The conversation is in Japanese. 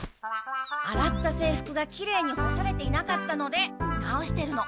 あらった制服がきれいにほされていなかったので直してるの。